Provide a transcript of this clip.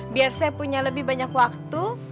biar saya punya lebih banyak waktu